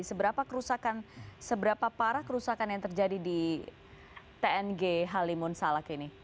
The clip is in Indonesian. seberapa kerusakan seberapa parah kerusakan yang terjadi di tng halimun salak ini